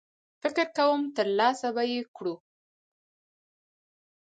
فکر کوم ترلاسه به یې کړو.